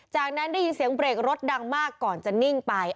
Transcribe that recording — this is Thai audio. จากนั้นได้ยินเสียงเบรกรถดังมากก่อนจะนิ่งไป